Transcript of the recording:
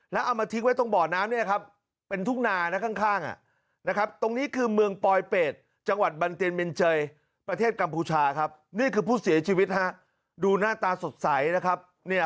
แล้วเอามาทิ้งไว้ตรงบ่อน้ำนี่นะครับ